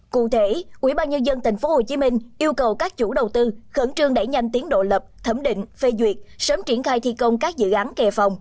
cụ thể ubnd tp hcm yêu cầu các chủ đầu tư khẩn trương đẩy nhanh tiến độ lập thẩm định phê duyệt sớm triển khai thi công các dự án kè phòng